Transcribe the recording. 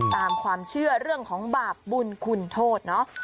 ตามความเชื่อเรื่องของบาปบุญคุณโทษเนาะ